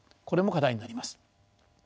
これも課題になります。